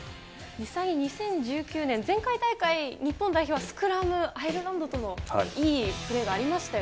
実際、２０１９年、前回大会、日本代表はスクラム、アイルランドとのいいプレーがありましたよ